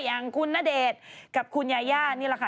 อย่างคุณณเดชน์กับคุณยาย่านี่แหละค่ะ